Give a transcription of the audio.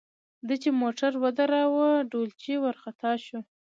ده چې موټر ودراوه ډولچي ورخطا شو.